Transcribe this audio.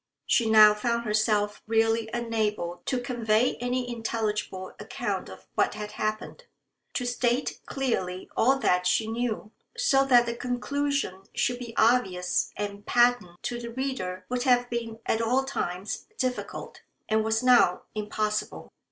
She now found herself really unable to convey any intelligible account of what had happened. To state clearly all that she knew so that the conclusion should be obvious and patent to the reader would have been at all times difficult, and was now impossible.